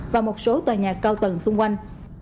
và một số tòa nhà cao tầng xung quanh